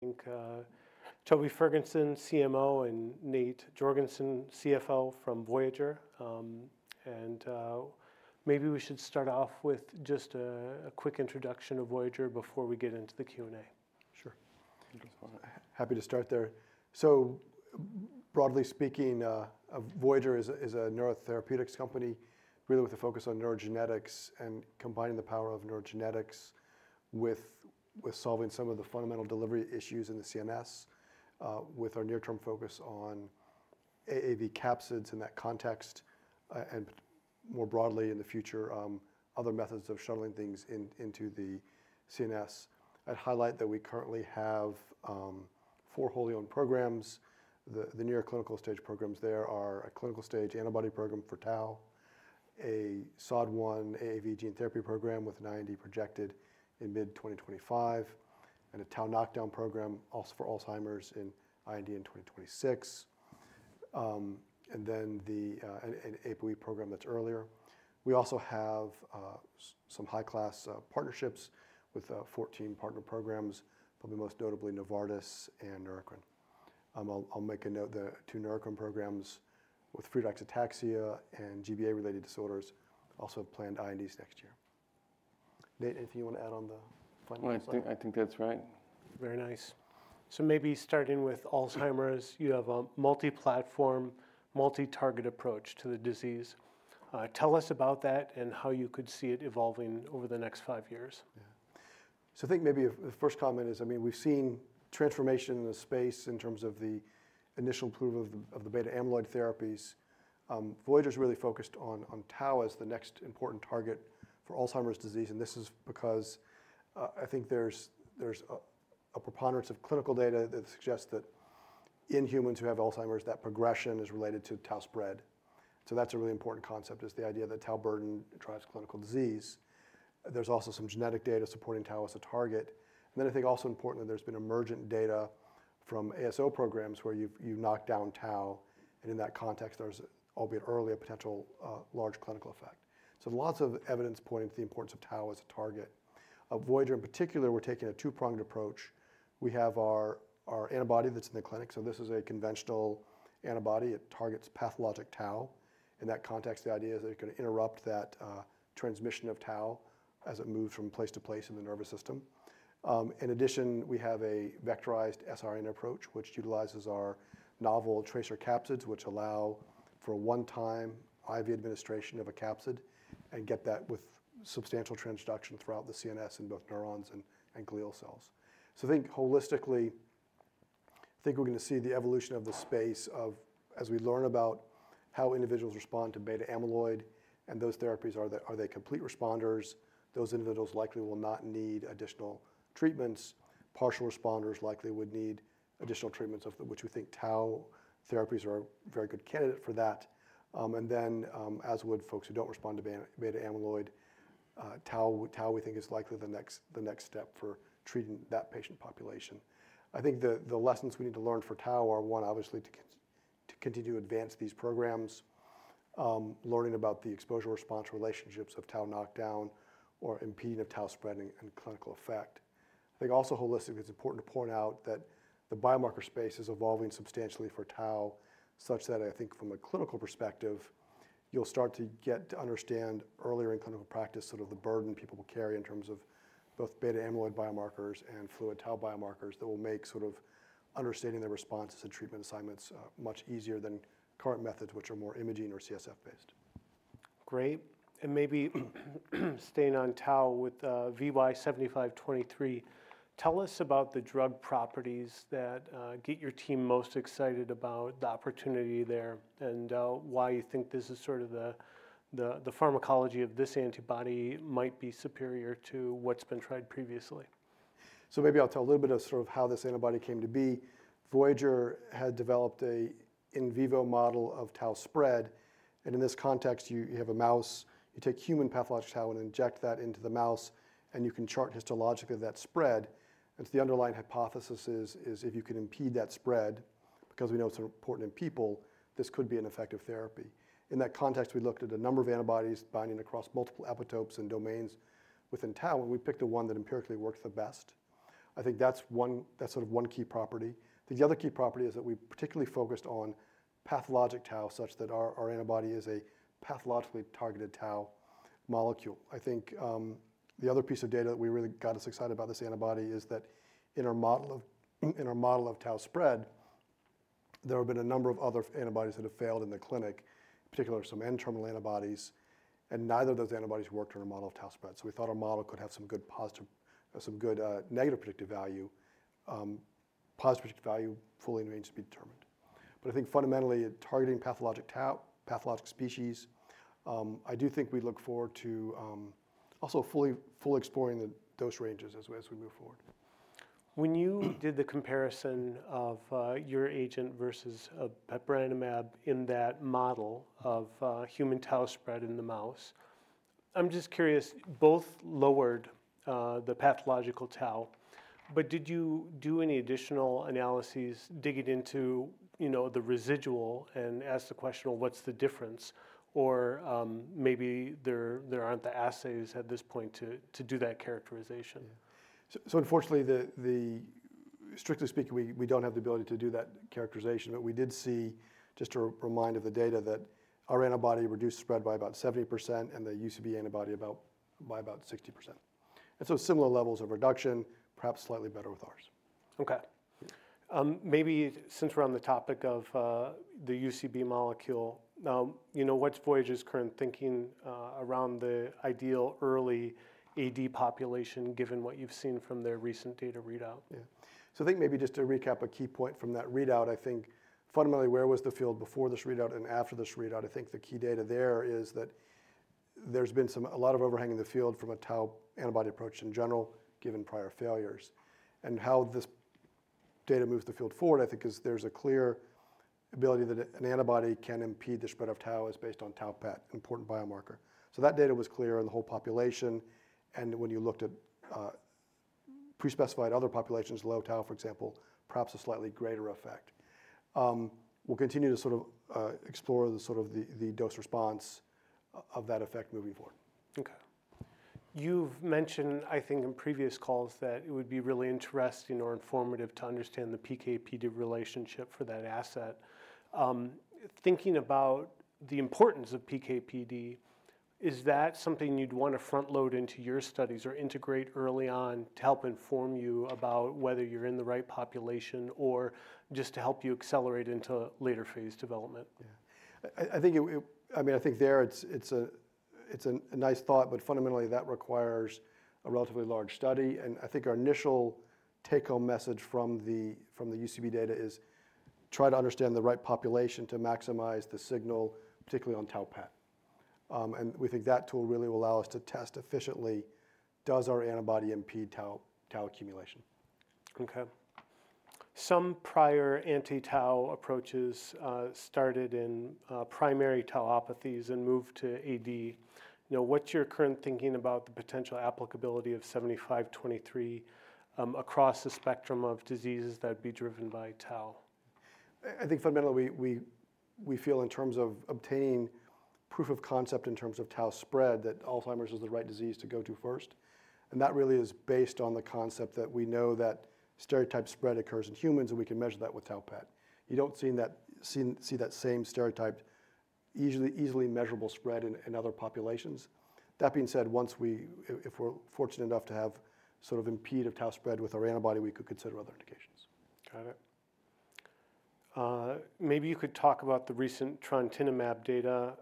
Thanks, Toby Ferguson, CMO, and Nate Jorgensen, CFO from Voyager, and maybe we should start off with just a quick introduction of Voyager before we get into the Q&A. Sure. Happy to start there. So, broadly speaking, Voyager is a neurotherapeutics company, really with a focus on neurogenetics and combining the power of neurogenetics with solving some of the fundamental delivery issues in the CNS, with our near-term focus on AAV capsids in that context, and more broadly in the future, other methods of shuttling things into the CNS. I'd highlight that we currently have four wholly owned programs. The near-clinical stage programs there are a clinical stage antibody program for Tau, a SOD1 AAV gene therapy program with an IND projected in mid-2025, and a Tau knockdown program for Alzheimer's with an IND in 2026, and then an APOE program that's earlier. We also have some high-caliber partnerships with 14 partner programs, probably most notably Novartis and Neurocrine. I'll make a note that two Neurocrine programs with Friedreich's ataxia and GBA-related disorders also have planned INDs next year. Nate, anything you want to add on the final slides? No, I think that's right. Very nice. So maybe starting with Alzheimer's, you have a multi-platform, multi-target approach to the disease. Tell us about that and how you could see it evolving over the next five years? Yeah. So I think maybe the first comment is, I mean, we've seen transformation in the space in terms of the initial approval of the beta amyloid therapies. Voyager's really focused on Tau as the next important target for Alzheimer's disease. And this is because, I think there's a preponderance of clinical data that suggests that in humans who have Alzheimer's, that progression is related to Tau spread. So that's a really important concept, is the idea that Tau burden drives clinical disease. There's also some genetic data supporting Tau as a target. And then I think also importantly, there's been emergent data from ASO programs where you've knocked down Tau. And in that context, there's, albeit early, a potential, large clinical effect. So lots of evidence pointing to the importance of Tau as a target. Voyager in particular, we're taking a two-pronged approach. We have our antibody that's in the clinic. So this is a conventional antibody. It targets pathologic Tau. In that context, the idea is that it could interrupt that transmission of Tau as it moves from place to place in the nervous system. In addition, we have a vectorized siRNA approach, which utilizes our novel TRACER capsids, which allow for a one-time IV administration of a capsid and get that with substantial transduction throughout the CNS in both neurons and glial cells. So I think holistically, I think we're going to see the evolution of the space of, as we learn about how individuals respond to beta amyloid and those therapies are they complete responders, those individuals likely will not need additional treatments. Partial responders likely would need additional treatments of which we think Tau therapies are a very good candidate for that. And then, as would folks who don't respond to beta amyloid, Tau, Tau we think is likely the next, the next step for treating that patient population. I think the lessons we need to learn for Tau are, one, obviously to continue to advance these programs, learning about the exposure-response relationships of Tau knockdown or impeding of Tau spreading and clinical effect. I think also holistically, it's important to point out that the biomarker space is evolving substantially for Tau, such that I think from a clinical perspective, you'll start to get to understand earlier in clinical practice sort of the burden people will carry in terms of both beta amyloid biomarkers and fluid Tau biomarkers that will make sort of understanding their responses and treatment assignments, much easier than current methods, which are more imaging or CSF-based. Great. And maybe staying on Tau with VY7523, tell us about the drug properties that get your team most excited about the opportunity there and why you think this is sort of the, the, the pharmacology of this antibody might be superior to what's been tried previously? Maybe I'll tell a little bit of sort of how this antibody came to be. Voyager had developed an in vivo model of Tau spread. In this context, you have a mouse, you take human pathologic Tau and inject that into the mouse, and you can chart histologically that spread. The underlying hypothesis is if you can impede that spread, because we know it's important in people, this could be an effective therapy. In that context, we looked at a number of antibodies binding across multiple epitopes and domains within Tau, and we picked the one that empirically works the best. I think that's sort of one key property. The other key property is that we particularly focused on pathologic Tau such that our antibody is a pathologically targeted Tau molecule. I think the other piece of data that we really got us excited about this antibody is that in our model of Tau spread, there have been a number of other antibodies that have failed in the clinic, particularly some N-terminal antibodies, and neither of those antibodies worked on our model of Tau spread. So we thought our model could have some good positive and negative predictive value, positive predictive value fully in range to be determined. But I think fundamentally targeting pathologic Tau, pathologic species, I do think we look forward to also fully exploring the dose ranges as we move forward. When you did the comparison of your agent versus bepranemab in that model of human Tau spread in the mouse, I'm just curious, both lowered the pathological Tau, but did you do any additional analyses, dig it into, you know, the residual and ask the question, well, what's the difference? Or maybe there aren't the assays at this point to do that characterization. So, unfortunately, strictly speaking, we don't have the ability to do that characterization, but we did see, just to remind of the data, that our antibody reduced spread by about 70% and the UCB antibody by about 60%. And so similar levels of reduction, perhaps slightly better with ours. Okay. Maybe since we're on the topic of the UCB molecule, you know, what's Voyager's current thinking around the ideal early AD population given what you've seen from their recent data readout? Yeah. So I think maybe just to recap a key point from that readout, I think fundamentally where was the field before this readout and after this readout. I think the key data there is that there's been some, a lot of overhang in the field from a Tau antibody approach in general, given prior failures. And how this data moves the field forward, I think, is there's a clear ability that an antibody can impede the spread of Tau, as based on Tau-PET, important biomarker. So that data was clear in the whole population. And when you looked at pre-specified other populations, low Tau, for example, perhaps a slightly greater effect. We'll continue to sort of explore the dose response of that effect moving forward. Okay. You've mentioned, I think in previous calls that it would be really interesting or informative to understand the PK/PD relationship for that asset. Thinking about the importance of PK/PD, is that something you'd want to front-load into your studies or integrate early on to help inform you about whether you're in the right population or just to help you accelerate into later phase development? Yeah. I think it, I mean, I think it's a nice thought, but fundamentally that requires a relatively large study. And I think our initial take-home message from the UCB data is try to understand the right population to maximize the signal, particularly on Tau-PET, and we think that tool really will allow us to test efficiently does our antibody impede Tau accumulation. Okay. Some prior anti-Tau approaches, started in, primary Tauopathies and moved to AD. You know, what's your current thinking about the potential applicability of VY7523, across the spectrum of diseases that'd be driven by Tau? I think fundamentally we feel in terms of obtaining proof of concept in terms of Tau spread that Alzheimer's is the right disease to go to first, and that really is based on the concept that we know that stereotyped spread occurs in humans and we can measure that with Tau-PET. You don't see that same stereotyped, easily measurable spread in other populations. That being said, once, if we're fortunate enough to sort of impede Tau spread with our antibody, we could consider other indications. Got it. Maybe you could talk about the recent trontinamab data.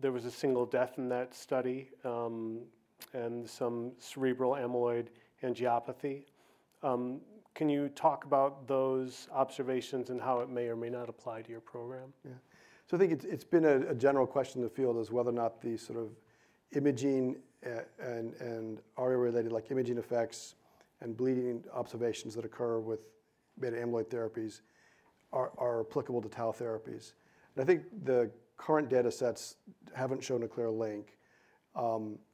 There was a single death in that study, and some cerebral amyloid angiopathy. Can you talk about those observations and how it may or may not apply to your program? Yeah. So I think it's been a general question in the field whether or not the sort of imaging and ARIA-related, like imaging effects and bleeding observations that occur with beta amyloid therapies are applicable to Tau therapies. And I think the current data sets haven't shown a clear link.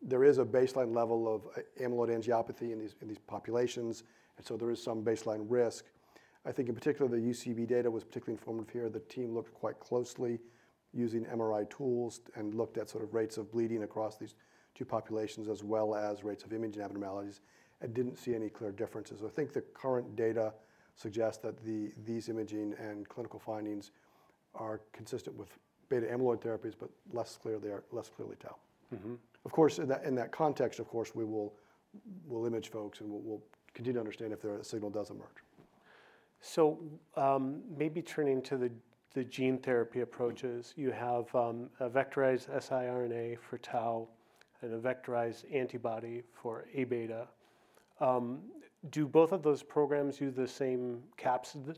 There is a baseline level of amyloid angiopathy in these populations. And so there is some baseline risk. I think in particular the UCB data was particularly informative here. The team looked quite closely using MRI tools and looked at sort of rates of bleeding across these two populations as well as rates of imaging abnormalities and didn't see any clear differences. So I think the current data suggests that these imaging and clinical findings are consistent with beta amyloid therapies, but less clearly Tau. Mm-hmm. Of course, in that context, of course, we'll image folks and we'll continue to understand if there a signal does emerge. Maybe turning to the gene therapy approaches, you have a vectorized siRNA for Tau and a vectorized antibody for A-beta. Do both of those programs use the same capsid?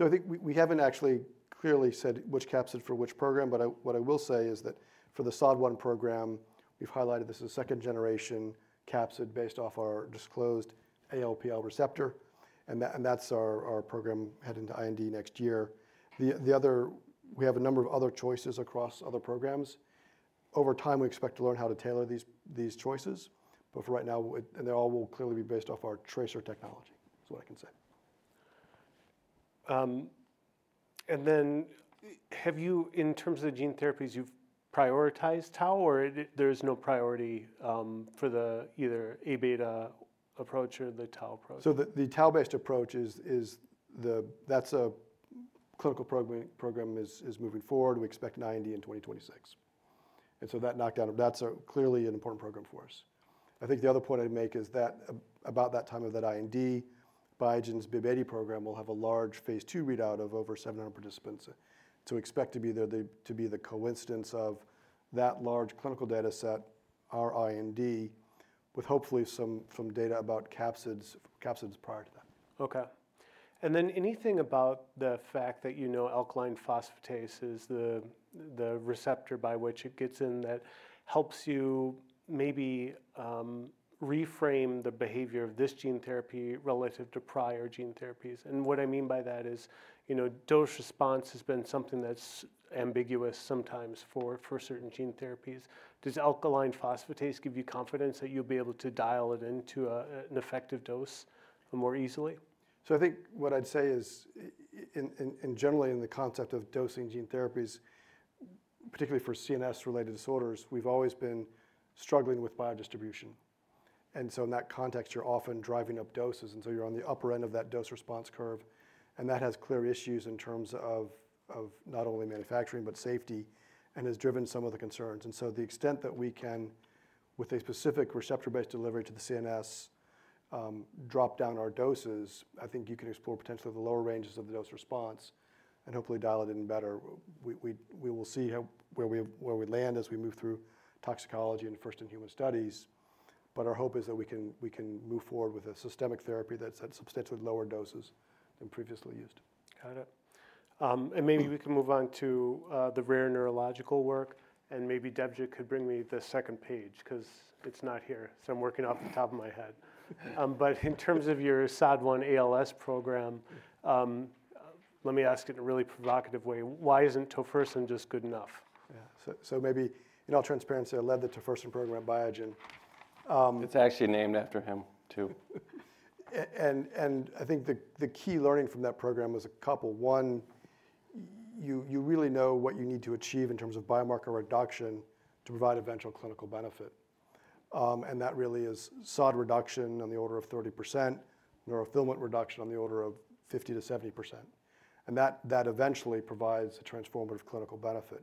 I think we haven't actually clearly said which capsid for which program, but what I will say is that for the SOD1 program, we've highlighted this is a second-generation capsid based off our disclosed ALPL receptor. And that's our program heading to IND next year. The other, we have a number of other choices across other programs. Over time, we expect to learn how to tailor these choices. But for right now, they all will clearly be based off our TRACER technology, is what I can say. And then, have you, in terms of the gene therapies, you've prioritized Tau, or there is no priority for either the A-beta approach or the Tau approach? So the Tau-based approach is. That's a clinical program is moving forward. We expect an IND in 2026. And so that knockdown. That's clearly an important program for us. I think the other point I'd make is that about that time of that IND, Voyager's BIIB080 program will have a large phase two readout of over 700 participants. So expect to be there, to be the coincidence of that large clinical data set, our IND, with hopefully some data about capsids prior to that. Okay. And then anything about the fact that, you know, alkaline phosphatase is the receptor by which it gets in that helps you maybe reframe the behavior of this gene therapy relative to prior gene therapies? And what I mean by that is, you know, dose response has been something that's ambiguous sometimes for certain gene therapies. Does alkaline phosphatase give you confidence that you'll be able to dial it into an effective dose more easily? So I think what I'd say is, in general, in the concept of dosing gene therapies, particularly for CNS-related disorders, we've always been struggling with biodistribution. And so in that context, you're often driving up doses. And so you're on the upper end of that dose-response curve. And that has clear issues in terms of not only manufacturing, but safety and has driven some of the concerns. And so the extent that we can, with a specific receptor-based delivery to the CNS, drop down our doses, I think you can explore potentially the lower ranges of the dose-response and hopefully dial it in better. We will see how, where we land as we move through toxicology and first-in-human studies. But our hope is that we can move forward with a systemic therapy that's at substantially lower doses than previously used. Got it, and maybe we can move on to the rare neurological work. And maybe Debjit could bring me the second page 'cause it's not here. So I'm working off the top of my head, but in terms of your SOD1 ALS program, let me ask it in a really provocative way. Why isn't tofersen just good enough? Yeah. So maybe, in all transparency, I led the tofersen program at Voyager. It's actually named after him too. I think the key learning from that program was a couple. One, you really know what you need to achieve in terms of biomarker reduction to provide eventual clinical benefit. That really is SOD reduction on the order of 30%, neurofilament reduction on the order of 50%-70%. That eventually provides a transformative clinical benefit.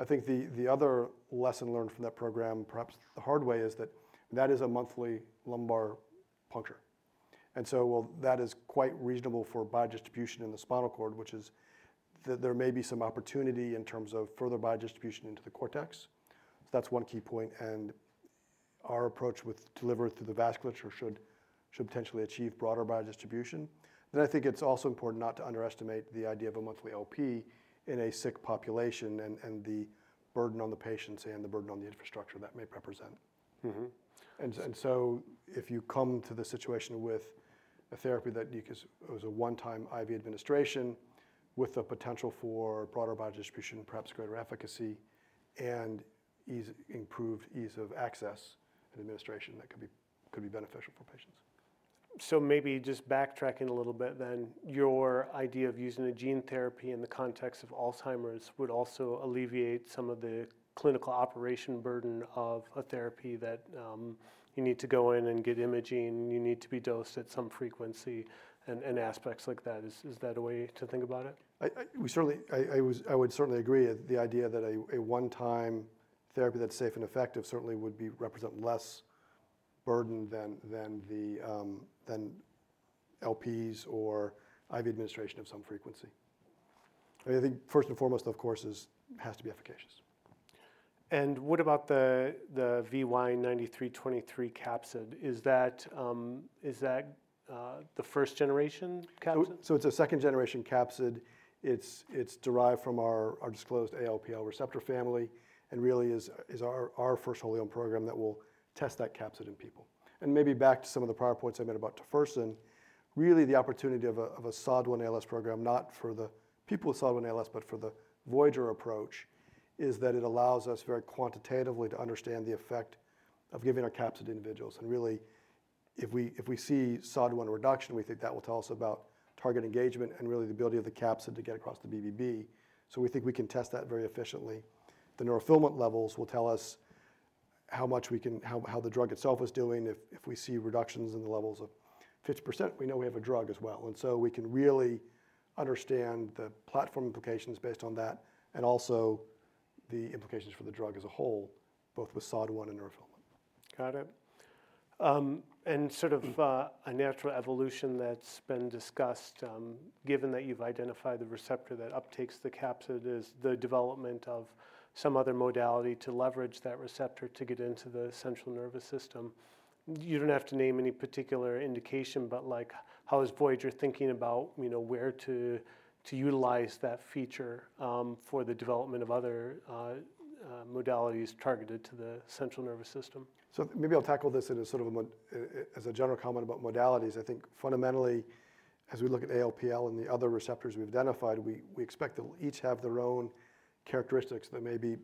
I think the other lesson learned from that program, perhaps the hard way, is that is a monthly lumbar puncture. That is quite reasonable for biodistribution in the spinal cord, which is that there may be some opportunity in terms of further biodistribution into the cortex. That's one key point. Our approach with delivery through the vasculature should potentially achieve broader biodistribution. Then I think it's also important not to underestimate the idea of a monthly OP in a sick population and the burden on the patients and the burden on the infrastructure that may represent. Mm-hmm. And so if you come to the situation with a therapy that you could, it was a one-time IV administration with a potential for broader biodistribution, perhaps greater efficacy and ease, improved ease of access and administration that could be beneficial for patients. So maybe just backtracking a little bit then, your idea of using a gene therapy in the context of Alzheimer's would also alleviate some of the clinical operation burden of a therapy that you need to go in and get imaging, you need to be dosed at some frequency and aspects like that. Is that a way to think about it? We certainly would agree that the idea that a one-time therapy that's safe and effective certainly would represent less burden than LPs or IV administration of some frequency. I mean, I think first and foremost, of course, it has to be efficacious. What about the VY9323 capsid? Is that the first-generation capsid? So it's a second-generation capsid. It's derived from our disclosed ALPL receptor family and really is our first wholly-owned program that will test that capsid in people. And maybe back to some of the prior points I made about tofersen, really the opportunity of a SOD1 ALS program, not for the people with SOD1 ALS, but for the Voyager approach is that it allows us very quantitatively to understand the effect of giving our capsid to individuals. And really, if we see SOD1 reduction, we think that will tell us about target engagement and really the ability of the capsid to get across the BBB. So we think we can test that very efficiently. The neurofilament levels will tell us how much we can, how the drug itself is doing. If we see reductions in the levels of 50%, we know we have a drug as well. And so we can really understand the platform implications based on that and also the implications for the drug as a whole, both with SOD1 and neurofilament. Got it. And sort of, a natural evolution that's been discussed, given that you've identified the receptor that uptakes the capsid is the development of some other modality to leverage that receptor to get into the central nervous system. You don't have to name any particular indication, but like, how is Voyager thinking about, you know, where to utilize that feature, for the development of other, modalities targeted to the central nervous system? So maybe I'll tackle this in a sort of a, as a general comment about modalities. I think fundamentally, as we look at ALPL and the other receptors we've identified, we expect they'll each have their own characteristics that may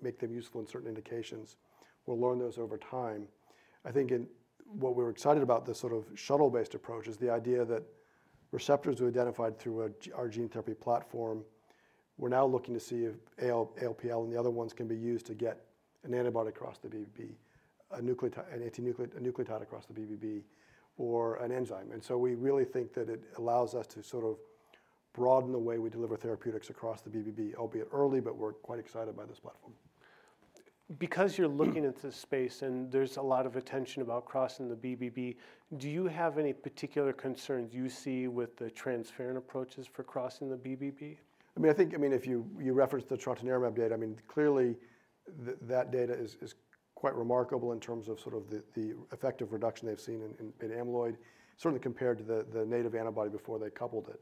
make them useful in certain indications. We'll learn those over time. I think in what we were excited about, the sort of shuttle-based approach is the idea that receptors we identified through our gene therapy platform, we're now looking to see if ALPL and the other ones can be used to get an antibody across the BBB, a nucleotide, an anti-nucleotide, a nucleotide across the BBB or an enzyme. And so we really think that it allows us to sort of broaden the way we deliver therapeutics across the BBB, albeit early, but we're quite excited by this platform. Because you're looking into space and there's a lot of attention about crossing the BBB, do you have any particular concerns you see with the transferrin approaches for crossing the BBB? I mean, I think, I mean, if you referenced the trontinamab data, I mean, clearly that data is quite remarkable in terms of sort of the effective reduction they've seen in amyloid, certainly compared to the native antibody before they coupled it.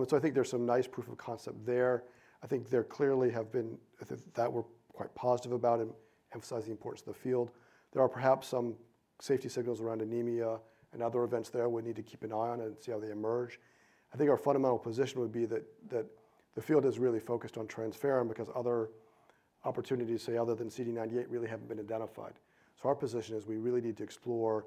And so I think there's some nice proof of concept there. I think there clearly have been, I think that we're quite positive about it, emphasizing the importance of the field. There are perhaps some safety signals around anemia and other events there we need to keep an eye on and see how they emerge. I think our fundamental position would be that the field is really focused on transferrin because other opportunities, say, other than CD98 really haven't been identified. Our position is we really need to explore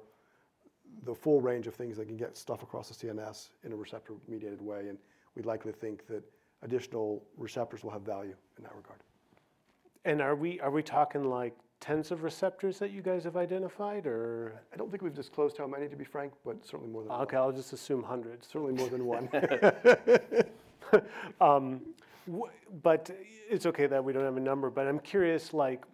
the full range of things that can get stuff across the CNS in a receptor-mediated way. We'd likely think that additional receptors will have value in that regard. Are we, are we talking like tens of receptors that you guys have identified or? I don't think we've disclosed how many, to be frank, but certainly more than one. Okay. I'll just assume hundreds. Certainly more than one. But it's okay that we don't have a number, but I'm curious, like,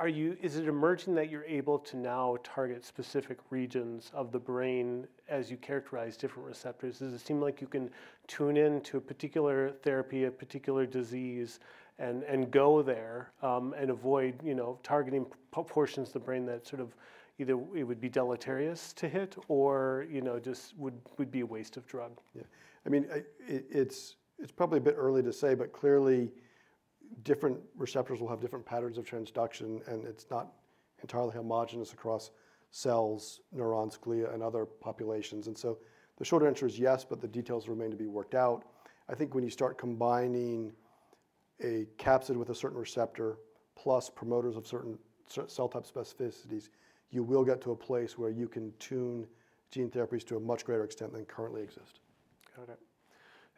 are you, is it emerging that you're able to now target specific regions of the brain as you characterize different receptors? Does it seem like you can tune into a particular therapy, a particular disease and go there, and avoid, you know, targeting portions of the brain that sort of either it would be deleterious to hit or, you know, just would be a waste of drug? Yeah. I mean, it's probably a bit early to say, but clearly different receptors will have different patterns of transduction and it's not entirely homogenous across cells, neurons, glia, and other populations. And so the short answer is yes, but the details remain to be worked out. I think when you start combining a capsid with a certain receptor plus promoters of certain cell type specificities, you will get to a place where you can tune gene therapies to a much greater extent than currently exist. Got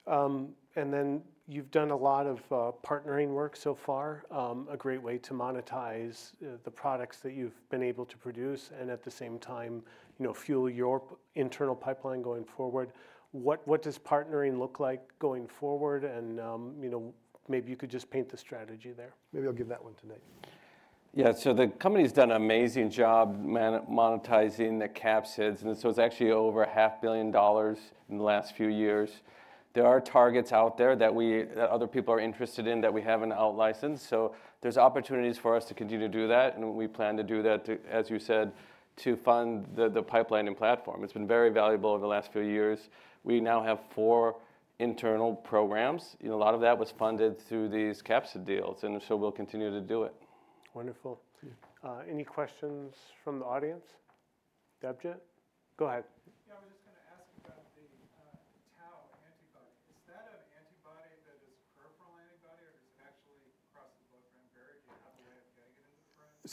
it, and then you've done a lot of partnering work so far, a great way to monetize the products that you've been able to produce and at the same time, you know, fuel your internal pipeline going forward. What does partnering look like going forward, and you know, maybe you could just paint the strategy there. Maybe I'll give that one to Nate. Yeah. So the company's done an amazing job monetizing the capsids. And so it's actually over $500 million in the last few years. There are targets out there that we, that other people are interested in that we haven't outlicensed. So there's opportunities for us to continue to do that. And we plan to do that to, as you said, to fund the, the pipeline and platform. It's been very valuable over the last few years. We now have four internal programs. You know, a lot of that was funded through these capsid deals. And so we'll continue to do it. Wonderful. Any questions from the audience? Debjit? Go ahead. Yeah. I was just gonna ask about the Tau antibody. Is that an antibody that is peripheral antibody or does it actually cross the blood-brain barrier?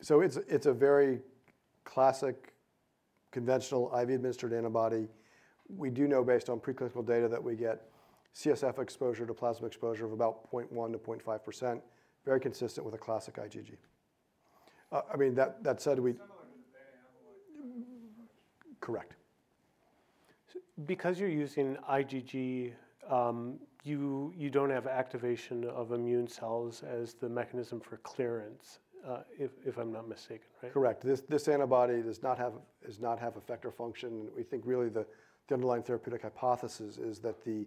So it's. It's a very classic, conventional IV-administered antibody. We do know based on preclinical data that we get CSF exposure to plasma exposure of about 0.1%-0.5%, very consistent with a classic IgG. I mean, that said we. Correct. So because you're using IgG, you don't have activation of immune cells as the mechanism for clearance, if I'm not mistaken, right? Correct. This antibody does not have effector function. We think really the underlying therapeutic hypothesis is that the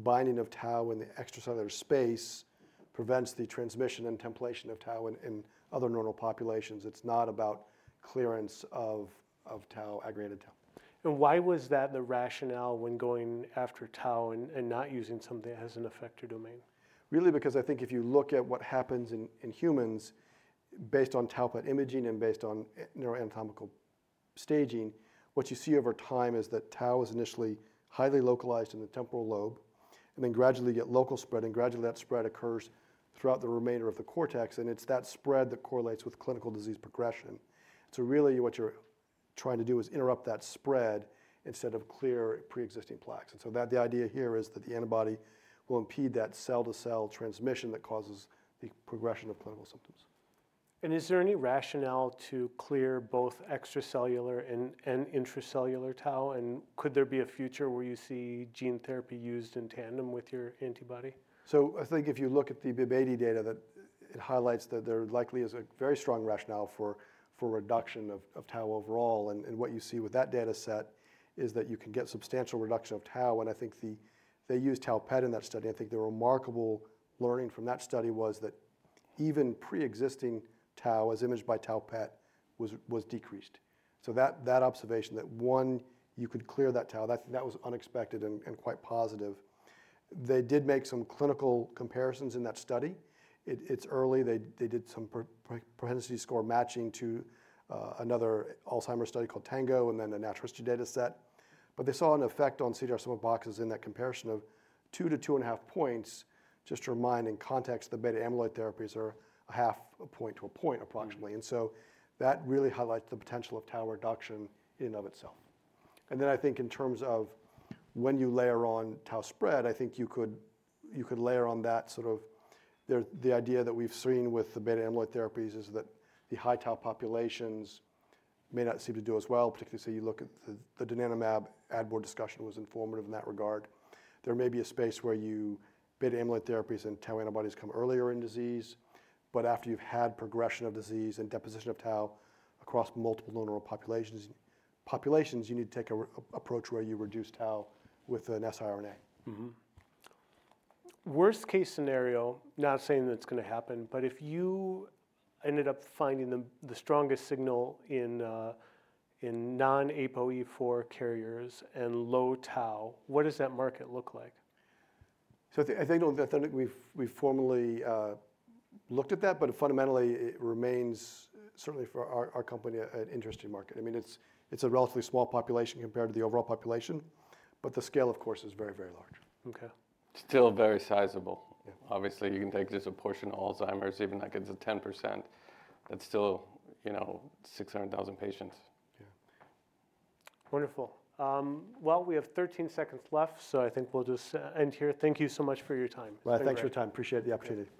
binding of Tau in the extracellular space prevents the transmission and templation of Tau in other neural populations. It's not about clearance of Tau, aggregated Tau. Why was that the rationale when going after Tau and not using something that has an effector domain? Really, because I think if you look at what happens in humans based on Tau-PET imaging and based on neuroanatomical staging, what you see over time is that Tau is initially highly localized in the temporal lobe and then gradually you get local spread and gradually that spread occurs throughout the remainder of the cortex. And it's that spread that correlates with clinical disease progression. So really what you're trying to do is interrupt that spread instead of clear pre-existing plaques. And so the idea here is that the antibody will impede that cell-to-cell transmission that causes the progression of clinical symptoms. And is there any rationale to clear both extracellular and intracellular Tau? And could there be a future where you see gene therapy used in tandem with your antibody? I think if you look at the BIIB080 data, that it highlights that there likely is a very strong rationale for reduction of Tau overall. And what you see with that dataset is that you can get substantial reduction of Tau. And I think they used Tau-PET in that study. I think the remarkable learning from that study was that even pre-existing Tau as imaged by Tau-PET was decreased. That observation that you could clear that Tau, that was unexpected and quite positive. They did make some clinical comparisons in that study. It's early. They did some propensity score matching to another Alzheimer's study called Tango and then a natural history dataset. But they saw an effect on CDR sum of boxes in that comparison of two to two and a half points. Just to remind in context, the beta amyloid therapies are a half a point to a point approximately. And so that really highlights the potential of Tau reduction in and of itself. And then I think in terms of when you layer on Tau spread, I think you could layer on that sort of. There's the idea that we've seen with the beta amyloid therapies is that the high Tau populations may not seem to do as well, particularly say you look at the donanemab ad board discussion was informative in that regard. There may be a space where you beta amyloid therapies and Tau antibodies come earlier in disease, but after you've had progression of disease and deposition of Tau across multiple neural populations, you need to take an approach where you reduce Tau with an siRNA. Mm-hmm. Worst case scenario, not saying that's gonna happen, but if you ended up finding the strongest signal in non-APOE4 carriers and low Tau, what does that market look like? So I think we've formally looked at that, but fundamentally it remains certainly for our company an interesting market. I mean, it's a relatively small population compared to the overall population, but the scale, of course, is very, very large. Okay. Still very sizable. Yeah. Obviously you can take just a portion of Alzheimer's, even that gets a 10%. That's still, you know, 600,000 patients. Yeah. Wonderful. Well, we have 13 seconds left, so I think we'll just end here. Thank you so much for your time. Thanks for your time. Appreciate the opportunity.